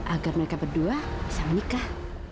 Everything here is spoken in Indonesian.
agar mereka berdua bisa menikah